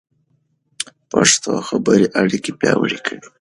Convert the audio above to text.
پښتو خبرې اړیکې پیاوړې کوي.